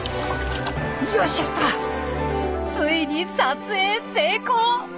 ついに撮影成功！